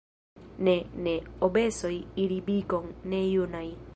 Ne, ne, Obesoj iri Bikon, ne junaj.